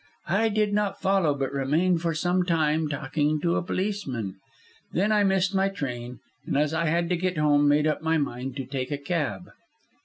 I did not follow, but remained for some time talking to a policeman. Then I missed my train, and as I had to get home, made up my mind to take a cab."